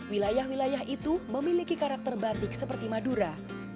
wilayah wilayah itu memiliki karakter batik seperti madura